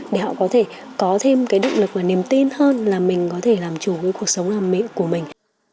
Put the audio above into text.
để họ có thể có thêm cái động lực và niềm tin hơn là mình có thể làm chủ với cuộc sống làm mẹ của mình